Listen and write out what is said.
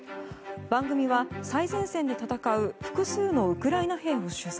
番組は最前線で戦う複数のウクライナ兵を取材。